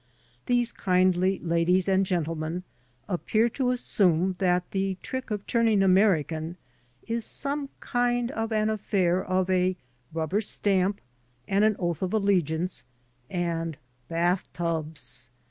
These kindly ladies and gentlemen appear to assume that the trick of turning Ainerican ii| sotlie kind of an affair of a rubber stamp and an oath of allegiance and bath tubs.